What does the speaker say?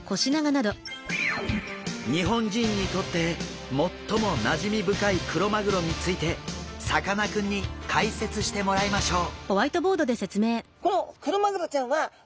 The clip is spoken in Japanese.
日本人にとって最もなじみ深いクロマグロについてさかなクンに解説してもらいましょう。